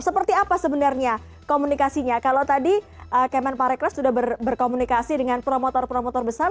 seperti apa sebenarnya komunikasinya kalau tadi kemen parekraf sudah berkomunikasi dengan promotor promotor besar